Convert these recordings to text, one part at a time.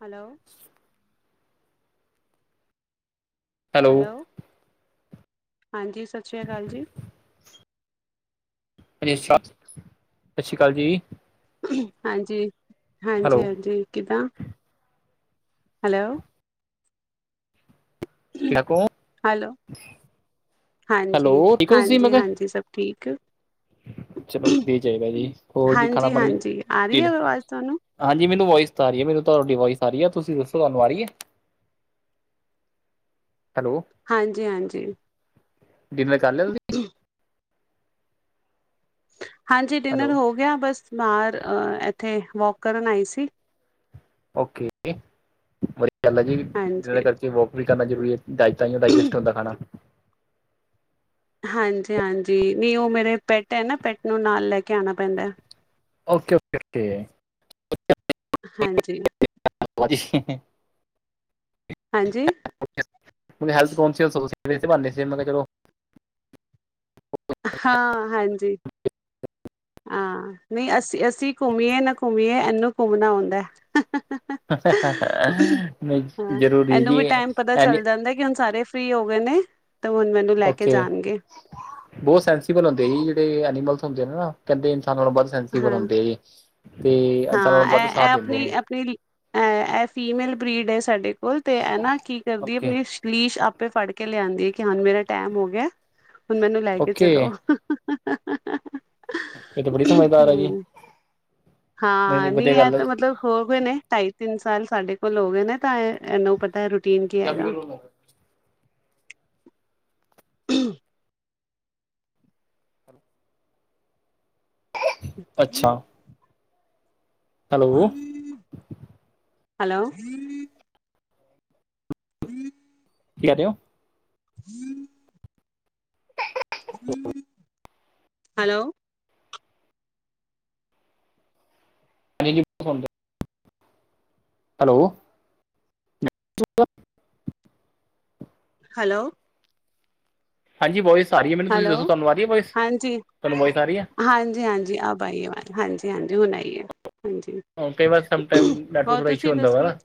Hello. Hello ਹਾਂਜੀ ਸਤਿ ਸ਼੍ਰੀ ਅਕਾਲ ਜੀ। ਹਾਂਜੀ ਸਤਿ ਸ਼੍ਰੀ ਅਕਾਲ ਜੀ। ਹਾਂਜੀ ਹੈਲੋ ਹਾਂਜੀ ਹਾਂਜੀ ਕਿੱਦਾਂ। ਹੈਲੋ। ਛੱਕੋ। [unintelligible] ਹੈਲੋ ਹੈਲੋ ਹਾਂਜੀ ਠੀਕ ਹੋ ਤੁਸੀਂ ਮੈਂ ਹਾਂਜੀ ਕਿਹਾ ਹਾਂਜੀ ਸਭ ਠੀਕ। ਚਲੋ ਮਿਲ਼ ਜਾਏਗਾ ਜੀ ਹੋਰ ਜੀ ਖਾਣਾ ਹਾਂਜੀ ਪਾਣੀ ਹਾਂਜੀ ਆ ਰਹੀ ਹੈ ਦਿਲ। ਆਵਾਜ਼ ਤੁਹਾਨੂੰ ਹਾਂਜੀ ਮੈਨੂੰ ਵੋਇਸ ਤਾਂ ਆ ਰਹੀ ਹੈ। ਮੈਨੂੰ ਤੁਹਾਡੀ ਵੋਇਸ ਆ ਰਹੀ ਹੈ ਤੁਸੀਂ ਦੱਸੋ ਤੁਹਾਨੂੰ ਆ ਰਹੀ ਹੈ। ਹੈਲੋ। ਹਾਂਜੀ ਹਾਂਜੀ। ਡਿਨਰ ਕਰ ਲਿਆ ਤੁਸੀਂ। ਹੂੰ। ਹਾਂਜੀ ਡਿਨਰ ਹੈਲੋ ਹੋ ਗਿਆ ਬਸ ਬਾਹਰ ਇੱਥੇ ਵੋਕ ਕਰਨ ਆਈ ਸੀ। ਓਕੇ ਓਕੇ ਵਧੀਆ ਗੱਲ ਜੀ ਜਿਹੜੇ ਹਾਂਜੀ ਕਰਦੇ ਵੋਕ। ਵੀ ਕਰਨਾ ਜ਼ਰੂਰੀ ਹੈ ਤਾਂਹੀ ਡਾਇਜੈਸਟ ਹੁੰਦਾ ਖਾਣਾ। ਹਾਂਜੀ-ਹਾਂਜੀ ਨਹੀਂ ਉਹ ਮੇਰੇ ਪੈਟ ਹੈ ਨਾ ਪੈਟ ਨੂੰ ਨਾਲ ਲੈ ਕੇ ਆਣਾ ਪੈਂਦਾ। ਓਕੇ-ਓਕੇ-ਓਕੇ। ਹਾਂਜੀ। [unintelligible] ਹਾਂਜੀ [unintelligible] ਹਾਂ-ਹਾਂਜੀ। ਹਾਂ ਨਹੀਂ ਅਸੀਂ ਅਸੀਂ ਘੁੰਮੀਏ ਨਾ ਘੁੰਮੀਏ ਇਹਨੂੰ ਘੁੰਮਣਾ ਹੁਂੰਦਾ। ਨਹੀਂ ਜ਼ਰੂਰੀ ਵੀ ਏ ਹੈ ਨੀ ਕਹਿੰਦਾ ਕਿ ਹੁਣ ਸਾਰੇ ਫ੍ਰਰੀ ਹੋ ਗਏ ਨੇ ਤੇ ਹੁਣ ਮੈਨੂੰ ਲੈ ਕੇ ਓਕੇ ਜਾਣਗੇ। ਬਹੁਤ ਸੈਂਸੀਬਲ ਹੁੰਦ ਸੀ ਜਿਹੜੇ ਐਨੀਮਲਸ ਹੁੰਦੇ ਨੇ ਨਾ ਕਹਿੰਦੇ ਇਨਸਾਨਾਂ ਨੂੰ ਬਸ ਸੈਂਸੀਬਲ ਹਾਂ ਹੁੰਦੇ ਜੀ ਤੇ ਇਨਸਾਨਾਂ ਤੋਂ ਹਾਂ ਵੱਧ ਇਹ ਸਾਥ ਇਹ ਦਿੰਦੇ ਆਪਣੀ ਨੇ ਇਹ ਫੀਮੇਲ ਬ੍ਰੀਡ ਹੈ ਸਾਡੇ ਕੋਲ ਤੇ ਇਹ ਨਾ ਕੀ ਕਰਦੀ ਏ ਓਕੇ ਆਪਣੀ ਪਲੀਸ਼ ਆਪੇ ਫੜ ਕੇ ਲਿਆਂਦੀ ਹੈ ਕਿ ਹਾਂ ਮੇਰਾ ਟੈਮ ਹੋ ਗਿਆ ਹੁਣ ਮੈਨੂੰ ਲੈ ਕੇ ਓਕੇ ਚਲੋ। ਇਹ ਤੇ ਬੜੀ ਸਮਝ ਹੂੰ ਨਹੀਂ ਹਾਂ ਨਹੀਂ ਨੀ ਵਧੀਆ ਆ ਗੱਲ ਹੈ ਤਾਂ ਮਤਲਬ ਹੋ ਗਏ ਨੇ ਢਾਈ-ਤਿੰਨ ਸਾਲ ਸਾਡੇ ਕੋਲ ਹੋ ਗਏ ਨੇ ਤਾਂ ਇਹਨੂੰ ਪਤਾ ਰੂਟੀਨ ਕੀ ਹੈਗਾ। [unintelligible] ਅੱਛਾ ਹੈਲੋ ਹੈਲੋ [inaudible] ਕੀ ਕਹਿ ਰਹੇ ਔ? [inaudible] ਹੈਲੋ [unintelligible] ਹੈਲੋ ਹੈਲੋ- ਹਾਂਜੀ ਵੋਇਸ ਆਾਰੀ ਹੈ ਮੈਨੂੰ ਤੁਸੀਂ ਹੈਲੋ ਦੱਸੋ ਤੁਹਾਨੂੰ ਆ ਰਹੀ ਹੈ ਵੋਇਸ ਤੁਹਾਨੂੰ ਵੋਇਜਸ ਆਹੀ ਹੈ? ਹਾਂਜੀ-ਹਾਂਜੀ ਅਬ ਆਈ ਆਵਾਜ਼ ਹਾਂਜੀ-ਹਾਂਜੀ ਹੁਣ ਆਈਏ ਹਾਂਜੀ ਕਈ ਵਾਰ ਸਮਟਾਈਮ ਨੈਟਵਰਕ ਹੋਰ ਥੋੜਾ ਇਸ਼ੂ ਤੁਸੀਂ ਹੁੰਦਾ ਵਾ ਦੱਸੋ? ਨਾ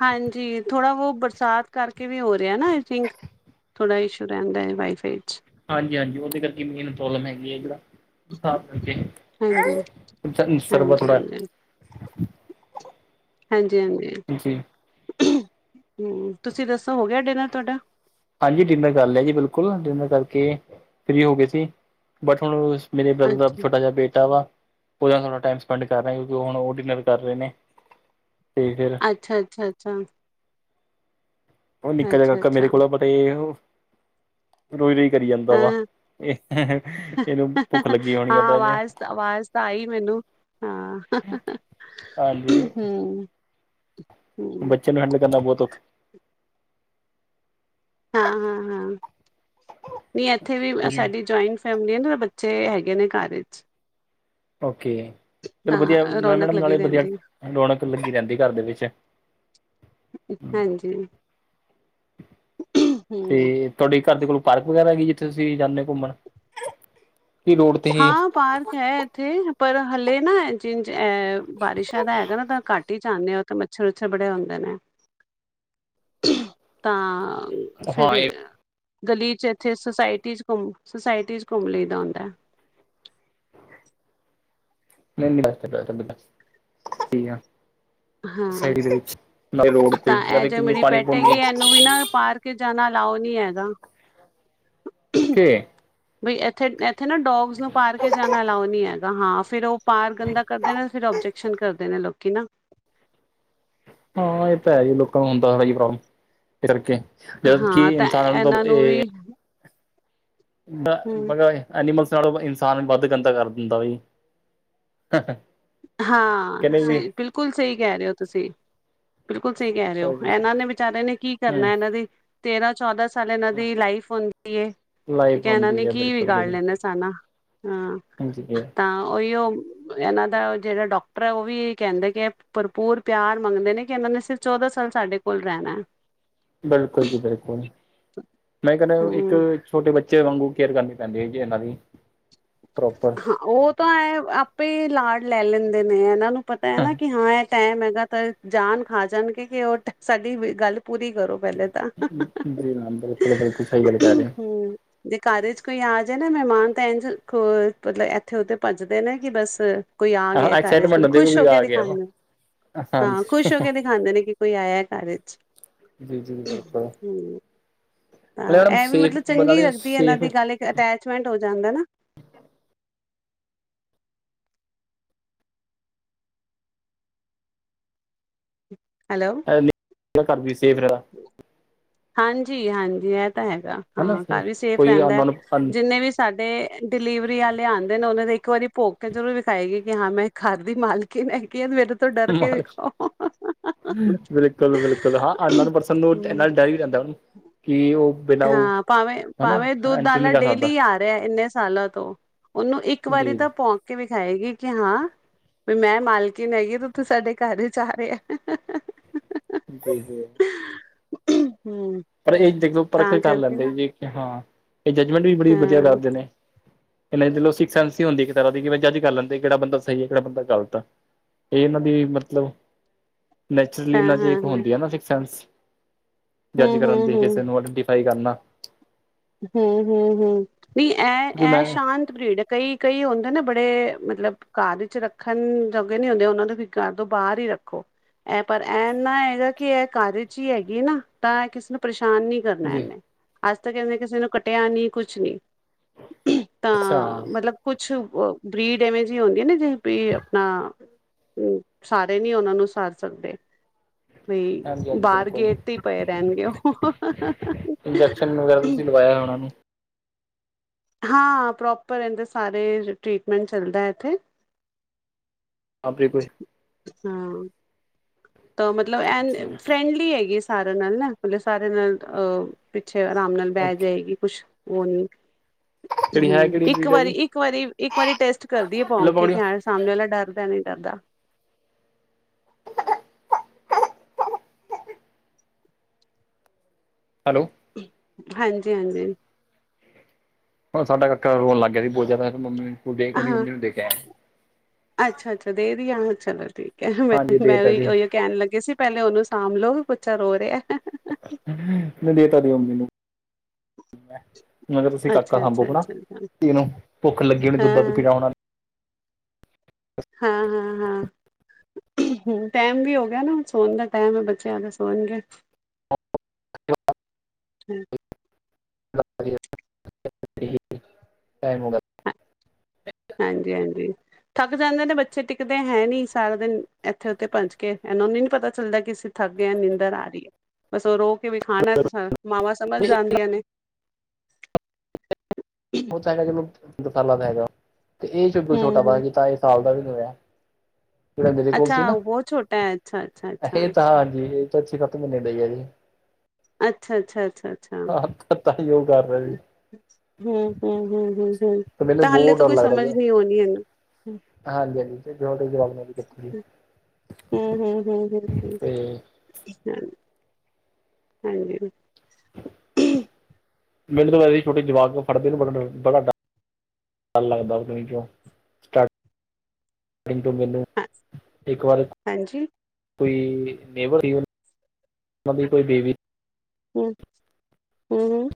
ਹਾਂਜੀ ਥੋੜ੍ਹਾ ਬਹੁ ਬਰਸਾਤ ਕਰਕੇ ਵੀ ਹੋ ਰਿਹਾ ਨਾ ਆਈ ਥਿੰਕ ਥੋੜ੍ਹਾ ਇਸ਼ੂ ਰਹਿੰਦਾ ਵਾਈ ਫਾਈ ਚ ਹਾਂਜੀ-ਹਾਂਜੀ ਉਹਦੇ ਕਰਕੇ ਮੇਨ ਪ੍ਰੋਬਲਮ ਹੈਗੀ ਹੈ ਜਿਹੜਾ ਕਰਕੇ ਹਾਂਜੀ ਸਰਵਰ ਹਾਂਜੀ ਥੋੜਾ- ਹਾਂਜੀ ਹਾਂਜੀ-ਹਾਂਜੀ। ਜੀ। ਹਮ ਤੁਸੀਂ ਦੱਸੋ ਹੋ ਗਿਆ ਡਿਨਰ ਤੁਹਾਡਾ? ਹਾਂਜੀ ਡਿਨਰ ਕਰ ਲਿਆ ਜੀ ਬਿਲਕੁਲ ਡਿਨਰ ਕਰਕੇ ਫ੍ਰੀ ਹੋ ਗਏ ਸੀ ਬਟ ਹੁਣ ਮੇਰੇ ਬਰਦਰ ਦਾ ਅੱਛਾ ਛੋਟਾ ਜਿਹਾ ਬੇਟਾ ਵਾ ਉਹ ਥੋੜ੍ਹਾ ਟਾਈਮ ਸਪੈਂਡ ਕਰਨਾ ਕਿਉਂਕਿ ਹੁਣ ਉਹ ਡਿਨਰ ਕਰ ਰਹੇ ਨੇ ਤੇ ਫਿਰ ਅੱਛਾ-ਅੱਛਾ-ਅੱਛਾ। ਉਹ ਨਿੱਕਾ ਜਿਹਾ ਅੱਛਾ ਕਾਕਾ ਮੇਰੇ ਅੱਛਾ ਕੋਲ ਐ ਬਨ ਇਹ ਹ ਰੋਈ ਰੋਈ ਕਰੀ ਜਾਂਦਾ ਹਾਂ ਵਾ। ਇਹ ਇਹਨੂੰ ਭੁੱਖ ਲੱਗੀ ਹੋਣੀ ਆ ਤਾਂ ਹਾਂ ਇਹਨੇ ਅਵਾਜ਼ ਅਵਾਜ਼ ਤਾਂ ਆਈ ਮੈਨੂੰ। ਹਾਂ। ਹਾਂਜੀ। ਹੂੰ ਹੂੰ। ਬੱਚੇ ਨੂੰ ਹੈਂਡਲ ਕਰਨਾ ਬਹੁਤ ਔਖਾ। ਹਾਂ-ਹਾਂ-ਹਾਂ ਨਹੀਂ ਇੱਥੇ ਵੀ ਔਖਾ ਸਾਡੀ ਜੋਇੰਟਸ ਫੈਮਲੀ ਤਾਂ ਬੱਚੇ ਹੈਗੇ ਨੇ ਘਰ ਚ ਓਕੇ ਚਲੋ ਵਧੀਆ ਤਾਂ ਰੌਣਕ ਮੈਡਮ ਲੱਗੀ ਨਾਲੇ ਵਧੀਆ ਰਹਿੰਦੀ ਹੈ। ਲੋਨ ਲੱਗੀ ਰਹਿੰਦੀ ਘਰ ਦੇ ਵਿੱਚ ਹਾਂਜੀ ਹੂੰ ਤੇ ਤੁਹਾਡੇ ਘਰ ਦੇ ਕੋਲੋਂ ਪਾਰਕ ਵਗੈਰਾ ਹੈਗੀ ਜਿੱਥੇ ਤੁਸੀਂ ਜਾਂਦੇ ਘੁੰਮਣ ਕਿ ਰੋਡ ਤੇ ਹੀ ਹਾਂ ਪਾਰਕ ਹੈ ਇੱਥੇ ਪਰ ਹਲੇ ਨਾ ਜਿ ਬਾਰਿਸ਼ਾਂ ਦਾ ਹੈਗਾ ਨਾ ਤਾਂ ਘੱਟ ਟੀ ਜਾਂਣੇ ਹਾਂ ਤੇ ਮੱਛਰ-ਮੁੱਛਰ ਬੜੇ ਹੁੰਦੇ ਨੇ ਤਾਂ ਹਾਂ ਫੇਿਰ ਇਹ ਗਲੀ ਚ ਇੱਥੇ ਸੁਸਾਇਟੀ ਚ ਘੁੰਮ ਸੁਸਾਇਟੀ ਚ ਘੁੰਮ ਲਈ ਦਾ ਹੁੰਦਾ ਨਹੀਂ ਨਹੀਂ ਬੈਸਟ ਠੀਕ ਆ। ਸ ਹਾਂ ਦੇ ਵਿੱਚ ਲੋੜ ਤੇ ਤਾਂ ਮ ਇਹ ਜੋ ਕਿਉਕਿ ਮੇਰੀ ਪਾਣੀ ਪੈਟ ਹੈਗੀ ਪਾਉਦੇ [inaudible] ਇਹਨੂੰ ਵੀ ਨਾ ਪਾਰਕ ਚ ਜਾਣਾ ਅਲਾਓ ਨੀ ਹੈਗਾ। ਕੇ ਬਈ ਇੱਥੇ ਇੱਥੇ ਨਾ ਡੋਗਜ਼ਸ ਨੂੰ ਪਾਰਕ ਚ ਜਾਣਾ ਅਲਾਓ ਨੀ ਹੈਗਾ, ਹਾਂ ਫਿਰ ਉਹ ਪਾਰ ਗੰਦਾ ਕਰਦੇ ਨੇ, ਤੇ ਫਿਰ ਓਬਜੈਕਸ਼ਨ ਕਰਦੇ ਨੇ ਲੋਕੀ ਨਾ। ਹਾਂ, ਇਹ ਤਾਂ ਹੈ ਜੀ ਲੋਕਾਂ ਨੂੰ ਹੁੰਦਾ ਵਾ ਇਈ ਪ੍ਰੋਬਲਮ, ਇਸ ਕਰਕੇ ਜਦੋਂ ਕਿ ਹਾਂ ਤਾਂ ਇਨਸਾਨ ਨਾਲੋ ਇਹਨਾਂ ਨੂੰ ਇਹ ਵੀ ਡਾ ਹੂੰ ਬਾਗਾ ਏ, ਐਨੀਮਲਸ ਨਾਲੋਂ ਇਨਸਾਨ ਵੱਧ ਗੰਦਾ ਕਰ ਦਿੰਦਾ ਬਾਈ। ਹਾਂ, ਸਹੀ ਬਿਲਕੁਲ ਸਹੀ ਕਹਿ ਰਹੇ ਹੋ ਤੁਸੀਂ। ਬਿਲਕੁਲ ਸਹੀ ਕਹਿ ਰਹੇ ਹੋ, ਇਹਨਾਂ ਨੇ ਵਿਚਾਰੇ ਨੇ ਕੀ ਹੂੰ ਕਰਨਾ, ਇਹਨਾਂ ਦੀ ਤੇਰਾਂ ਚੌਦਾਂ ਸਾਲ ਇਹਨਾਂ ਦੀ ਲਾਈਫ ਹੁੰਦੀ ਐ। ਤੇ ਲਾਈਫ ਕਹਿ ਇਹਨਾਂ ਨੇ ਹੁੰਦੀ ਹੈ ਕੀ ਬਿਲਕੁਲ ਵਿਗਾੜ ਲੈਂਦੇ ਬਿਲਕੁਲ ਸਾਨਾ ਹਾਂ, ਜੀ ਤਾਂ ਉਹੀਓ ਇਹਨਾਂ ਦਾ ਜਿਹੜਾ ਡਾਕਟਰ ਐ, ਉਹ ਵੀ ਕਹਿੰਦੇ ਕਿ ਭਰਪੂਰ ਪਿਆਰ ਮੰਗਦੇ ਨੇ ਕਿ ਇਹਨਾਂ ਨੇ ਸਿਰਫ਼ ਚੌਦਾਂ ਸਾਲ ਸਾਡੇ ਕੋਲ ਰਹਿਣਾ ਐ। ਬਿਲਕੁਲ ਜੀ ਬਿਲਕੁਲ, ਮੈਂ ਕਹਿੰਦਾ ਇੱਕ ਹਮ ਛੋਟੇ ਬੱਚੇ ਵਾਂਗੂ ਕੇਅਰ ਕਰਨੀ ਪੈਂਦੀ ਐਗੀ ਇਹਨਾਂ ਦੀ, ਪ੍ਰੋਪਰ। ਉਹ ਤਾਂ ਐ ਆਪੇ ਹੀ ਲਾੜ ਲੈ ਲੈਂਦੇ ਨੇ, ਇਹਨਾਂ ਨੂੰ ਪਤਾ ਹੈ ਨਾ ਕਿ ਹਾਂ ਇਹ ਟਾਈਮ ਹੈਗਾ ਤਾਂ, ਜਾਨ ਖਾ ਜਾਣਗੇ ਕਿ ਉਹ ਸਾਡੀ ਵੀ ਗੱਲ ਪੂਰੀ ਕਰੋ ਪਹਿਲੇ ਤਾਂ। ਜੀ ਮੈਮ, ਬਿਲਕੁਲ ਬਿਲਕੁਲ ਸਹੀ ਗੱਲ ਕਹਿ ਰਹੇ ਹੋ। ਹੂੰ ਜੇ ਕਾਰਜ ਕੋਈ ਆ ਜਾਏ ਨਾ ਮਹਿਮਾਨ ਤਾਂ ਇੰਝ ਖੋਲ ਮਤਲਬ ਇੱਥੇ ਉਥੇ ਭੱਜਦੇ ਨੇ ਕਿ ਬਸ ਕੋਈ ਆ ਹਾਂ ਗਿਆ ਘਰ ਚ, ਐਕਸਾਈਟਮੈਂਟ ਮਤਲਬ ਹੁੰਦੀ ਖੁਸ਼ ਕੋਈ ਹੋ ਕੇ ਆ ਗਿਆ ਵਾ ਦਿਖਾਉਂਦੇ, ਹਾਂ ਹਾਂਜੀ ਖੁਸ਼ ਹੋ ਕੇ ਦਿਖਾਉਂਦੇ ਨੇ ਕਿ ਕੋਈ ਆਇਆ ਘਰ ਵਿੱਚ। ਜੀ ਜੀ ਬਿਲਕੁਲ। ਤਾਂ ਮੈਡਮ ਇਹ ਵੀ ਮਤਲਬ ਸੇਫ ਚੰਗੀ ਨਾਲੇ ਲੱਗਦੀ ਐ, ਇਹਨਾਂ ਸੇਫ ਦੀ ਗੱਲ ਇੱਕ ਅਟੈਚਮੈਂਟ ਹੋ ਜਾਂਦਾ ਨਾ। ਹੈਲੋ। ਘਰ ਵੀ ਸੇਫ ਰਹਾ ਹਾਂਜੀ ਹਾਂਜੀ, ਇਹ ਤਾਂ ਹੈਗਾ। ਹਨਾ ਹਾਂ, ਘਰ ਵੀ ਸੇਫ ਕੋਈ ਰਹਿੰਦਾ, ਅਨਨੋਨ ਜਿੰਨੇ ਵੀ ਸਾਡੇ ਡਿਲੀਵਰੀ ਵਾਲੇ ਆਉਂਦੇ ਨੇ, ਉਹਨਾਂ ਦੇ ਇੱਕ ਵਾਰੀ ਭੋਗ ਕੇ ਜ਼ਰੂਰ ਵਿਖਾਏਗੀ, ਕਿ ਹਾਂ ਵੀ ਮੈਂ ਖਰ ਦੀ ਮਾਲ ਕੀ ਮੇਰੇ ਤੋਂ ਡਰ ਕੇ ਵੇਖੋ। [inaudible] ਬਿਲਕੁਲ ਬਿਲਕੁਲ ਹਾਂ, ਅਨਨੋਨ ਪਰਸਨ ਨੂੰ ਇਨਾ ਹੂੰ ਡਰ ਵੀ ਰਹਿੰਦਾ ਕਿ ਉਹ ਬਿਨਾਂ ਉਹ ਹਾਂ, ਭਾਵੇਂ ਹਨਾ ਭਾਵੇਂ ਦੁੱਧ ਐਂਟਰੀ ਆਲਾ ਨਹੀਂ ਕਰ ਸਕਦਾ ਡੇਲੀ ਆ ਰਿਹਾ ਇੰਨੇ ਸਾਲਾਂ ਤੋਂ ਉਹਨੂੰ ਇੱਕ ਵਾਰੀ ਜੀ ਤਾਂ ਜੀ ਭੋਂਕ ਕੇ ਵਿਖਾਏਗੀ ਕਿ ਹਾਂ ਵੀ ਮੈਂ ਮਾਲਕੀਨ ਹੈਗੀ ਤੇ ਤੂੰ ਸਾਡੇ ਘਰ ਚ ਆ ਰਿਹਾ ਆ। ਬਿਲਕੁਲ। ਹੂੰ ਪਰ ਇਹ ਜਖ ਪਰਖ ਤਾਂ ਕਰ ਕਰਕੇ ਨਾ ਲੈਂਦੇ ਜੀ, ਕਿ ਹਾਂ ਇਹ ਜੱਜਮੈਂਟ ਵੀ ਬੜੀ ਵਧੀਆ ਹਾਂ। ਕਰਦੇ ਨੇ। ਇਨ੍ਹਾਂ ਦੀ ਸੀਕਸਸੈਂਸ ਹੀ ਹੁੰਦੀ ਇੱਕ ਤਰ੍ਹਾਂ ਦੀ, ਕਿ ਬਈ ਜੱਜ ਕਰ ਲੈਂਦੇ, ਕਿਹੜਾ ਬੰਦਾ ਸਹੀ ਹੈ ਕਿਹੜਾ ਬੰਦਾ ਗਲਤ। ਇਹ ਇਹਨਾਂ ਬੀ ਮਤਲਬ, ਨੈਚੁਰਲੀ ਇਹਨਾਂ ਚ ਇੱਕ ਹਾਂ-ਹਾਂ-ਹਾਂ, ਹੁੰਦੀ ਆ ਨਾ, ਸਿਕਸ ਸੈਂਸ। ਜੱਜ ਕਰਨ ਦੀ, ਕਿਸੇ ਹੂੰ-ਹੂੰ-ਹੂੰ, ਨੂੰ ਆਈਡੈਂਟੀਫਾਈ ਕਰਨਾ। ਹੂੰ ਹੂੰ ਹੂੰ ਨਹੀਂ, ਇਹ ਕਿਉਂਕਿ ਮੈਂ ਇਹ ਸ਼ਾਂਤ ਬਰੀਡ ਐ, ਕਈ- ਕਈ ਹੁੰਦੇ ਨੇ। ਬੜੇ ਮਤਲਬ ਘਰ ਵਿੱਚ ਰੱਖਣ, ਜੋਗੇ ਨੀ ਹੁੰਦੇ, ਉਹਨਾਂ ਵੀ ਘਰ ਤੋਂ ਬਾਹਰ ਹੀ ਰੱਖੋਂ। ਇਹ ਪਰ ਐੰਨਾ ਹੈਗਾ। ਕਿ ਇਹ ਘਰ ਵਿਚ ਹੀ ਹੈਗੀ ਨਾ, ਤਾਂ ਕਿਸੇ ਨੂੰ ਪਰੇਸ਼ਾਨ ਨੀ ਕਰਨਾ ਜੀ ਇਹਨੇ, ਅੱਜ ਤੱਕ ਇਨੇ, ਕਿਸੇ ਨੂੰ ਕੱਟਿਆ, ਨੀ ਕੁਛ ਨੀ। ਅੱਛਾ ਤਾਂ ਮਤਲਬ ਕੁਛ ਬ੍ਰਰੀਡ, ਐਵੇਂ ਜਿਹੀ ਹੁੰਦੀਆਂ ਨਾ ਜਿਵੇ ਵੀ ਆਪਣਾ ਹੂੰ ਸਾਰੇ ਨੀ ਉਹਨਾਂ ਨੂੰ ਸਾਰ ਸਕਦੇ। ਬੀ, ਹਾਂਜੀ ਹਾਂਜੀ ਬਾਰ ਬਿਲਕੁਲ ਗੇਟ ਤੇ ਹੀ ਪਏ ਰਹਿਣਗੇ ਉਹ। ਇੰਜੈਕਸ਼ਨ ਵਗੈਰਾ ਤੁਸੀਂ ਲਵਾਇਆ ਉਹਨਾਂ ਨੂੰ ਹਾਂ ਪ੍ਰੋਪਰ, ਇਹਦੇ ਸਾਰੇ ਟਰੀਟਮੈਂਟ, ਚੱਲਦਾ ਇੱਥੇ, ਅਫ਼ਰੀਕਾ, ਹਾਂ। ਤਾਂ ਮਤਲਬ, ਐਂ ਫਰੈਂਡਲੀ ਹੈਗੀ, ਸਾਰਿਆਂ ਨਾਲ ਨਾ, ਮਤਲਬ ਸਾਰਿਆਂ ਨਾਲ ਅ। ਪਿੱਛੇ ਆਰਾਮ ਨਾਲ, ਬਹਿ ਓਕੇ ਜਾਏਗੀ, ਕੁਛ ਉਹ ਨੀ ਕਿਹੜੀ ਹੈ ਹੂੰ, ਕਿਹੜੀ ਇੱਕ ਬਰੀਡ ਹੈ ਵਾਰੀ, ਜੀ ਇੱਕ ਵਾਰੀ, ਇੱਕ ਵਾਰੀ। ਟੈਸਟ ਕਰਦੀ ਹੈ, ਭੋਂ ਲੋ ਕੇ ਪਕੜਿਓ ਵੀ ਹਾਂ। ਸਾਹਮਣੇ ਵਾਲਾ, ਡਰਦਾ ਨੀ ਡਰਦਾ। ਹੈਲੋ। ਹਾਂਜੀ-ਹਾਂਜੀ। ਹੁਣ ਸਾਡਾ ਕਾਕਾ, ਰੋਣ ਲੱਗ ਗਿਆ ਸੀ, ਬਹੁਤ ਜਿਆਦਾ, ਉਹਦੀ ਹਾਂ ਮੰਮੀ ਨੂੰ ਦੇਕੇ ਆਇਆ। ਅੱਛਾ-ਅੱਛਾ, ਦੇ ਦੀ ਆ। ਚਲੋ ਠੀਕ ਹੈ, ਮੈਂ ਹਾਂਜੀ ਦੇ ਮੈਂ ਤਾ ਉ ਜੀ ਉਹੀ ਕਹਿਣ ਲੱਗੇ ਸੀ। ਪਹਿਲੇ ਉਹਨੂੰ ਸਾਂਭ, ਲੋਓ ਵੀ ਬੱਚਾ ਰੋ ਰਿਹਾ। ਨਹੀਂ ਦੇਤਾ ਓਦੀ, ਮੰਮੀ ਨੂੰ। ਮੈਂ ਕਿਆ ਤੁਸੀਂ ਕਕਾ ਸਾਂਭੋ ਹਨਾ, ਅੱਛਾ-ਅੱਛਾ-ਅੱਛਾ ਇਹਨੂੰ ਭੁੱਖ ਲੱਗੀ ਹੋਣੀ ਦੁੱਧ- ਦੱਧ ਹਾਂ ਪੀਣਾ ਉਹਨਾਂ। ਹਾਂ, ਹਾਂ, ਹਾਂ। ਹੂਨ, ਟੈਮ ਵੀ ਹੋ ਗਿਆ, ਨਾ ਸੋਣ ਦਾ ਟਾਈਮ ਹੈ। ਬੱਚਿਆਂ ਦਾ ਸੋਣਗੇ। ਹਾਂਜੀ। ਟਾਈਮ ਹੋਗਿਆ। ਹਾਂਜੀ-ਹਾਂਜੀ। ਥੱਕ ਜਾਂਦੇ ਨੇ ਬੱਚੇ। ਟਿਕਦੇ ਹੈ ਨੀ, ਸਾਰਾ ਦਿਨ ਇੱਥੇ- ਉੱਥੇ ਭੱਜ ਕੇ। ਇਹਨਾ ਨੂੰ ਨੀ, ਪਤਾ ਚੱਲਦਾ ਕਿ ਥਕ ਗਿਆ। ਨਿੰਦਰ ਆ ਰਹੀ ਹੈ। ਬਸ ਉਹ ਰੋਕ ਕਿਵੇਂ ਖਾਣਾ ਤੇ। ਮਾਵਾਂ ਸਮਝ ਗਿਆ ਜਾਂਦੀਆਂ ਨੇ। ਉਹ ਹੈਗਾ [unintelligible] ਜਾਨੂੰ ਸਾਲਾਂ ਦਾ ਹੈਗਾ ਤੇ ਇਹ ਚ ਛੋਟਾ ਪਤਾ ਹੂੰ-ਹੂੰ ਕੀਤਾ, ਇਹ ਸਾਲ ਦਾ ਵੀ ਨਹੀਂ ਹੋਇਆ। ਜਿਹੜਾ ਮੇਰੇ ਕੋਲ ਅੱਛਾ ਸੀ ਨਾ। ਬਹੁਤ ਛੋਟਾ ਹੈ ਏ ਅੱਛਾ-ਅੱਛਾ-ਅੱਛਾ ਸਾ ਏ ਤੇ ਅੱਛੀ ਸੱਤ, ਮਹੀਨੇ ਡਈ ਹੈ ਜੀ। ਅੱਛਾ, ਅੱਛਾ, ਅੱਛਾ, ਅੱਛਾ। ਤਾਂ ਹੀ, ਉਹ ਕਰ, ਰਹੇ ਵੀ। ਹੂੰ-ਹੂੰ-ਹੂੰ-ਹੂੰ-ਹੂੰ, ਤੇ ਮੈਨੂੰ ਤਾਂ ਹਾਲੇ ਬਹੁਤ ਤਾਂ, ਕੋਈ ਸਮਝ ਨੀ ਆਣੀ ਹੈਨਾ। ਹਾਂਜੀ-ਹਾਂਜੀ, ਜਵਾਬ ਕਿੱਥੇ ਜ ਹੂੰ-ਹੂੰ-ਹੂੰ, ਹੂੰ-ਹੂੰ। ਤੇ ਹ, ਹਾਂਜੀ। ਮੈਨੂੰ ਤਾਂ ਵੈਸੇ ਹੀ, ਛੋਟੀ ਜਵਾਕ ਨੂੰ, ਫੜ ਦੇ ਬੜਾ ਡਰ ਡਰ ਲੱਗਦਾ, ਉਹ ਚ ਤੋਂ ਮੈਨੂੰ ਇੱਕ ਵਾਰ ਹਾਂਜੀ ਕੋਈ ਨੇਬਰ ਸੀ, ਉਹਦੀ ਕੋਈ ਬੇਬੀ। ਹੂੰ, ਹੂੰ-ਹੂੰ।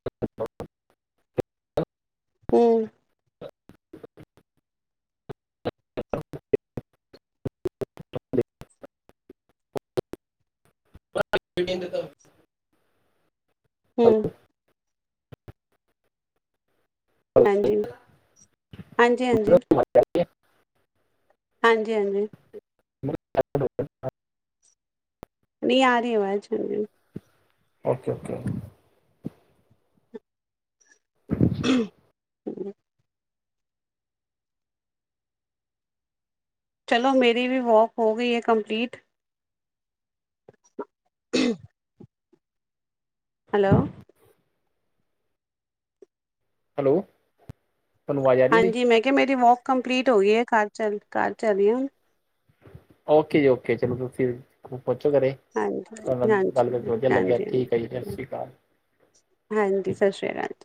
ਹੱ [unintelligible] ਹੂੰ। [inaudible] [unintelligible] ਹੂੰ ਹੈਲੋ। ਹਾਂਜੀ-ਹਾਂਜੀ, ਹਾਂਜੀ। [inaudible] ਹਾਂਜੀ-ਹਾਂਜੀ। [inaudible] ਨਹੀਂ ਆ ਰਹੀ ਆਵਾਜ਼ [unintelligible] ਓਕੇ-ਓਕੇ ਹੂੰ, [unintelligible] ਚਲੋ ਮੇਰੀ ਵੀ, ਵੋਕ ਹੋ ਗਈ ਹੈ, ਕੰਪਲੀਟ। ਹ [inaudible] ਹੈਲੋ ਹੈਲੋ ਤੁਹਾਨੂੰ ਆਵਾਜ਼ ਆ ਰਹੀ ਮੇਰੀ ਹਾਂਜੀ ਮੈਂ ਕਿਹਾ ਮੇਰੀ ਵਾਕ ਕੰਪਲੀਟ ਹੋ ਗਈ ਹੈ ਘਰ ਚੱਲ ਘਰ ਚਲੀਏ ਹੁਣ। ਓਕੇ ਜੀ ਓਕੇ ਚਲੋਂ ਫਿਰ ਪਹੁੰਚੋ ਘਰੇ ਹਾਂਜੀ ਤੁਹਾਡੇ ਨਾਲ ਗੱਲ ਕਰਕੇ ਹਾਂਜੀ ਵਧੀਆ ਲੱਗਿਆ, ਹਾਂਜੀ ਹਾਂਜੀ ਠੀਕ ਹੈ ਜੀ ਸਸ ਸ਼੍ਰ ਕਾਲ। ਹਾਂਜੀ ਸਸ ਸ੍ਰੀ ਕਾਲ।